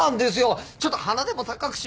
ちょっと鼻でも高くしようかなって。